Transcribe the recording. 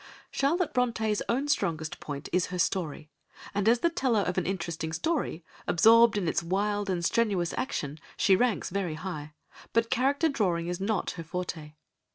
Charlotte Brontë's own strongest point is her story, and as the teller of an interesting story, absorbing in its wild and strenuous action, she ranks very high, but character drawing is not her forte.